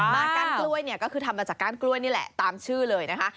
มาก้านกล้วยเนี่ยก็คือทำมาจากก้านกล้วยนี่แหละตามชื่อเลยนะคะ